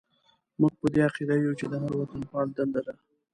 موږ په دې عقیده یو چې د هر وطنپال دنده ده.